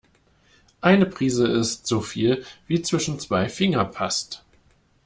Eine Prise ist so viel, wie zwischen zwei Finger passt.